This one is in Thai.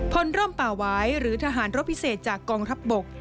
ร่มป่าวายหรือทหารรบพิเศษจากกองทัพบก